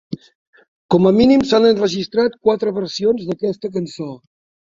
Com a mínim, s'han enregistrat quatre versions d'aquesta cançó.